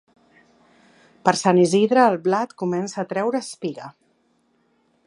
Per Sant Isidre el blat comença a treure espiga.